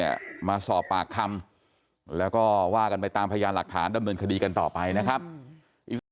ผมขอโทษทุกคนด้วยแล้วก็ถ้าไม่ได้มีวัฒนาก็ขอให้เราได้กลับมาเป็นคู่ใหม่